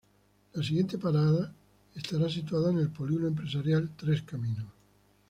La siguiente parada estará situada en el polígono empresarial Tres Caminos.